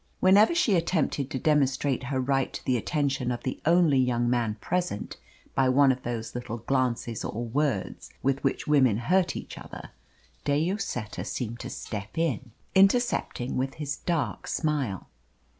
Whenever she attempted to demonstrate her right to the attention of the only young man present by one of those little glances or words with which women hurt each other, De Lloseta seemed to step in, intercepting with his dark smile.